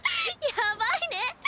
やばいね！